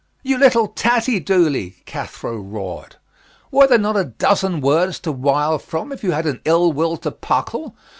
"You little tattie doolie," Cathro roared, "were there not a dozen words to wile from if you had an ill will to puckle?